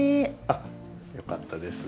あっよかったです。